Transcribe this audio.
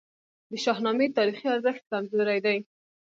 د شاهنامې تاریخي ارزښت کمزوری دی.